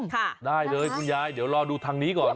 ได้เลยคุณยายเดี๋ยวรอดูทางนี้ก่อน